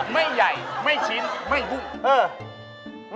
ไม่ใหญ่ไม่ชิ้นไม่อืม